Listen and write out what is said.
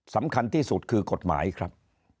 สำคัญที่สุดคือกฎหมายครับ